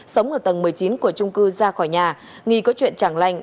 sống ở tầng một mươi chín của trung cư ra khỏi nhà nghi có chuyện chẳng lành